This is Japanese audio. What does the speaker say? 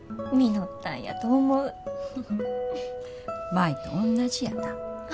舞とおんなじやな。